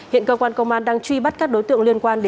hiện cơ quan công an đang truy bắt các đối tượng liên quan